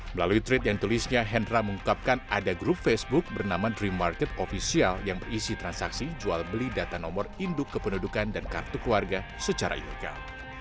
melalui tweet yang tulisnya hendra mengungkapkan ada grup facebook bernama dream market official yang berisi transaksi jual beli data nomor induk kependudukan dan kartu keluarga secara ilegal